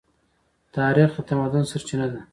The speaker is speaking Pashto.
تاریخ د تمدن سرچینه ده.